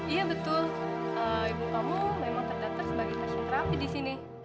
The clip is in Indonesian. iya betul ibu kamu memang terdaftar sebagai kasihan terapi disini